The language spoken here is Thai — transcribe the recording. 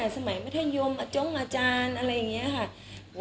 สมัยมัธยมอาจงอาจารย์อะไรอย่างนี้ค่ะ